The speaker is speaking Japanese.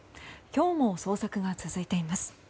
今日も捜索が続いています。